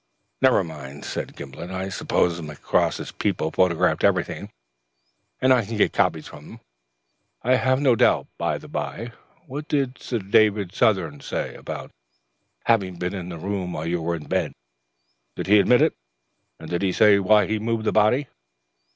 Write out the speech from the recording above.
"Never mind," said Gimblet, "I suppose Macross's people photographed everything, and I can get copies from them, I have no doubt. By the by, what did Sir David Southern say about having been in the room while you were in bed? Did he admit it; and did he say why he moved the body?"